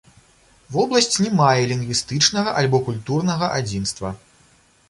Вобласць не мае лінгвістычнага альбо культурнага адзінства.